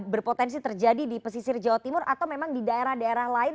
berpotensi terjadi di pesisir jawa timur atau memang di daerah daerah lain